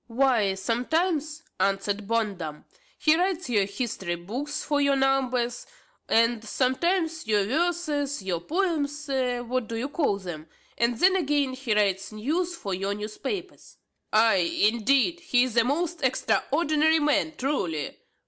"Why, sometimes," answered Bondum, "he writes your history books for your numbers, and sometimes your verses, your poems, what do you call them? and then again he writes news for your newspapers." "Ay, indeed! he is a most extraordinary man, truly!